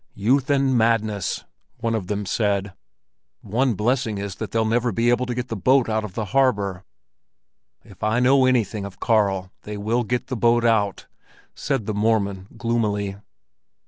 "Youth and madness!" one of them then said. "One blessing is that they'll never be able to get the boat out of the harbor." "If I know anything of Karl, they will get the boat out!" said "the Mormon" gloomily.